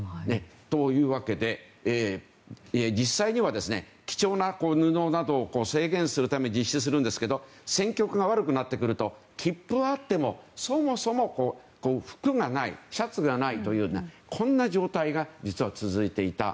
というわけで、実際には貴重な布などを制限するために実施するんですけど戦局が悪くなってくると切符はあってもそもそも服がないシャツがないというこんな状態が実は続いていた。